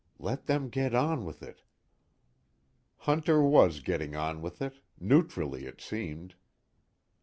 Let them get on with it. Hunter was getting on with it neutrally it seemed.